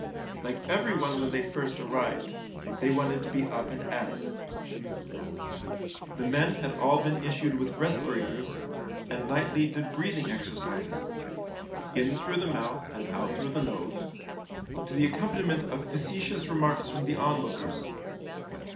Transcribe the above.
Like everyone when they first arrived, they wanted to be up and at it. The men had all been issued with respirators, and nightly did breathing exer cises — in through the mouth and out through the nose — to the accompaniment of facetious remarks from the onlookers.